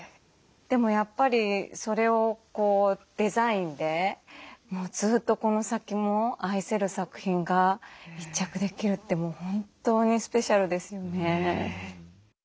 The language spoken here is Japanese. でもやっぱりそれをこうデザインでもうずっとこの先も愛せる作品が一着できるってもう本当にスペシャルですよね。